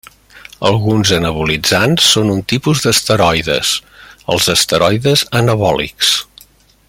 Alguns anabolitzants són un tipus d'esteroides: els esteroides anabòlics.